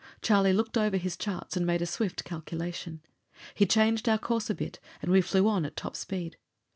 Charlie looked over his charts and made a swift calculation. He changed our course a bit and we flew on at top speed.